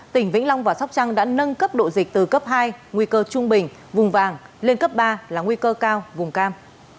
tỉnh vĩnh long và sóc trăng đã nâng cấp độ dịch từ cấp hai nguy cơ trung bình vùng vàng lên cấp ba là nguy cơ cao vùng cam